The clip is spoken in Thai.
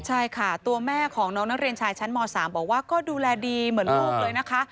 ใช่ค่ะตัวแม่ของน้องนักเรียนชายชั้นม๓บอกว่าก็ดูแลดีเหมือนลูกเลยนะคะ